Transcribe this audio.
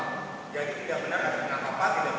jadi tidak benar ada penangkapan tidak benar ada penahanan